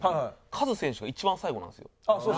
カズ選手が一番最後なんですよ。